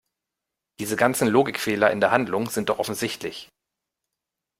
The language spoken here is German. Diese ganzen Logikfehler in der Handlung sind doch offensichtlich!